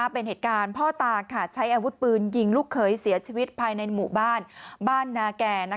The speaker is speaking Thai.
เป็นเหตุการณ์พ่อตาใช้อาวุธปืนยิงลูกเขยเสียชีวิตภายในหมู่บ้านบ้านนาแก่